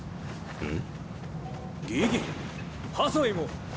うん。